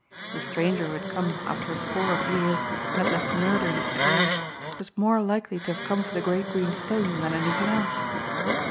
The stranger who had come after a score of years and had left murder in his trail, was more likely to have come for the great green stone than anything else.